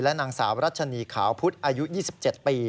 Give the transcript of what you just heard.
นางสาวรัชนีขาวพุทธอายุ๒๗ปี